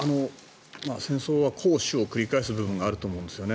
戦争は攻守を繰り返す部分があると思うんですよね。